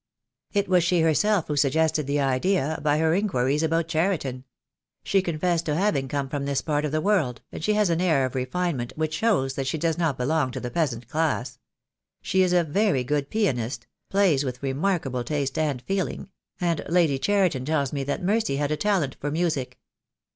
"It was she herself who suggested the idea, by her inquiries about Cheriton. She confessed to having come from this part of the world, and she has an air of refine ment which shows that she does not belong to the peasant class. She is a very good pianiste — plays with remark able taste and feeling; and Lady Cheriton tells me that Mercy had a talent for music.